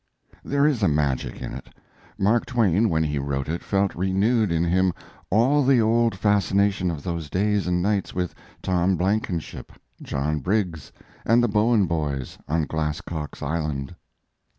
There is a magic in it. Mark Twain, when he wrote it, felt renewed in him all the old fascination of those days and nights with Tom Blankenship, John Briggs, and the Bowen boys on Glasscock's Island.